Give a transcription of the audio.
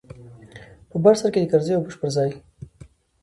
په بر سر کښې د کرزي او بوش پر ځاى.